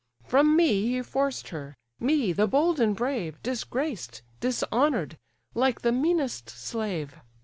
From me he forced her; me, the bold and brave, Disgraced, dishonour'd, like the meanest slave.